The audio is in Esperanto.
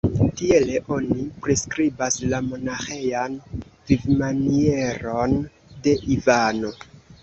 Tiele oni priskribas la monaĥejan vivmanieron de Ivano.